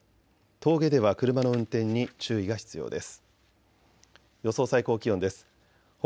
峠では車の運転に注意が必要です。